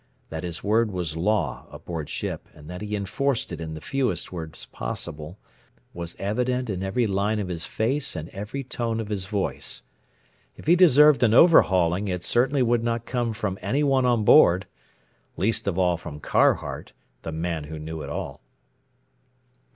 That his word was law aboard ship, and that he enforced it in the fewest words possible, was evident in every line of his face and every tone of his voice. If he deserved an overhauling it certainly would not come from any one on board least of all from Carhart the Man Who Knew It All.